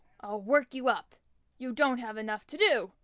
I'll work you up! You don't have enough to do!